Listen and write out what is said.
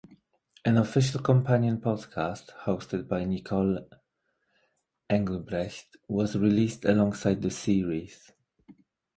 An official companion podcast hosted by Nicole Engelbrecht was released alongside the series.